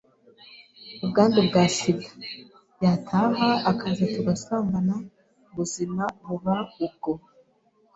ubwandu bwa SIDA, yataha akaza tugasambana ubuzima buba ubwo,